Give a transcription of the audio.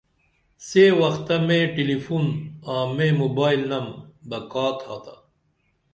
سے وختہ مے ٹِلِفوں آں مے موبائل نم بہ کا تھاتا